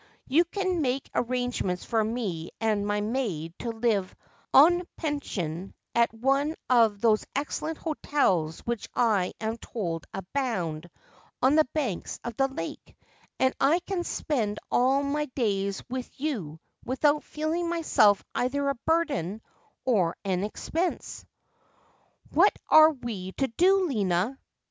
You can make arrangements for me and my maid to live en pension at one of those excellent hotels which I am told abound on the banks of the lake, and I can spend all my days with you without feeling myself either a burden or an expense.' 'What are we to do, Lina?'